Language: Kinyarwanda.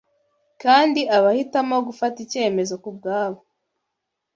Kandi abahitamo gufata icyemezo kubwabo